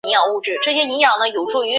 亦曾分布于南极洲。